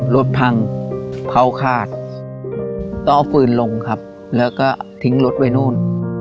รถพังเผาคาดต้องเอาฟืนลงครับแล้วก็ทิ้งรถไว้นู่น